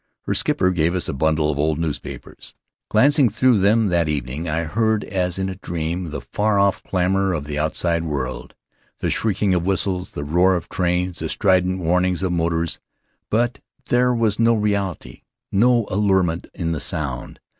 Her skipper gave us a bundle of old newspapers. Glancing through them that evening, I heard as in a dream the far off clamor of the outside world — the shrieking of whistles, the roar of trains, the strident warnings of motors; but there was no reality, no allurement in the sound.